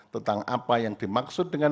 tentang apa yang dimaksud dengan